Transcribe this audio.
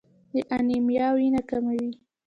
د انیمیا وینه کموي.